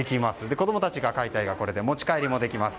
子供たちが描いた絵がこれで持ち帰りもできます。